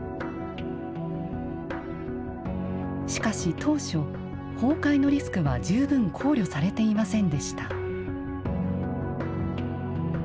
しかし当初、崩壊のリスクは十分、考慮されていませんでした。